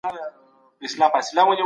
لږ شمیر خلګو ډیري لویې ګټې کولې.